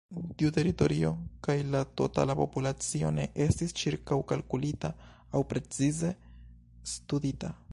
Tiu teritorio kaj la totala populacio ne estis ĉirkaŭkalkulita aŭ precize studita.